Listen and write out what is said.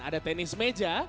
ada tenis meja